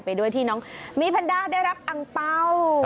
ไปด้วยที่น้องมีแพนด้าได้รับอังเป้า